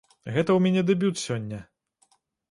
Гэта ў мяне дэбют сёння.